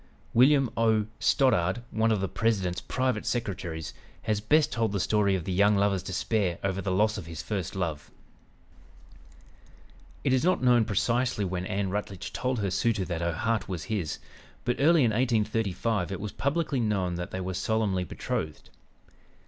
William O. Stoddard, one of the President's private secretaries, has best told the story of the young lover's despair over the loss of his first love: "It is not known precisely when Ann Rutledge told her suitor that her heart was his, but early in 1835 it was publicly known that they were solemnly betrothed.